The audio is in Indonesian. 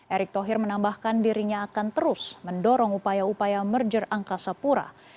erick thohir menambahkan dirinya akan terus mendorong upaya upaya merger angkasa pura